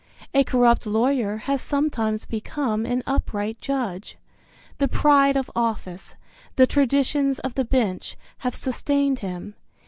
A corrupt lawyer has sometimes become an upright judge. The pride of office, the traditions of the bench have sustained him.